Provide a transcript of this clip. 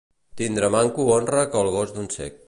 Tindre manco honra que el gos d'un cec.